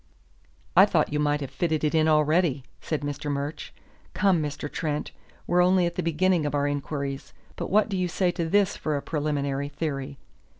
"I thought you might have fitted it in already," said Mr. Murch. "Come, Mr. Trent, we're only at the beginning of our inquiries, but what do you say to this for a preliminary theory?